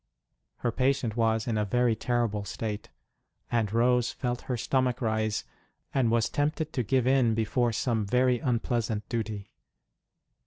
Her patient was in a very terrible state, and Rose felt her stomach rise, and was tempted to give in, before some very unpleasant duty.